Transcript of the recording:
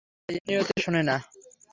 সে এমনিতেও শোনে না।